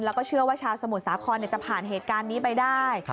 แล้วก็เชื่อว่าชาวสมุทรสาครจะผ่านเหตุการณ์นี้ไปได้